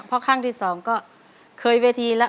เพราะครั้งที่สองก็เคยเวทีแล้ว